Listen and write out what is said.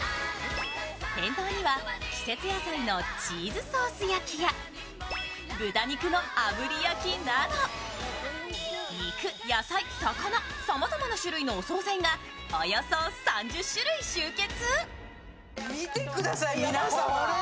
店頭には季節野菜のチーズソース焼きや豚肉の炙り焼きなど、肉、野菜、魚、さまざまな種類のお惣菜がおよそ３０種類集結！